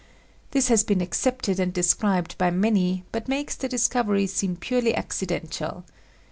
This has been accepted and described by many but makes the discovery seem purely accidental.